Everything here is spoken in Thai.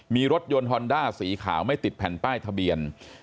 มีรถยนต์ฮอนด้าสีขาวไม่ติดแผ่นป้ายทะเบียน